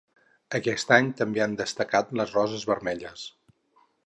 Aquest any també han destacat les roses vermelles.